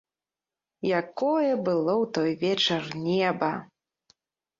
Якое было ў той вечар неба!